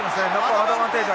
アドバンテージ。